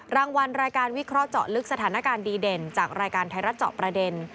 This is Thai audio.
รางวัลรายการวิเคราะห์เจาะลึกสถานการณ์ดีเด่นจากรายการไทยรัฐเจาะประเด็น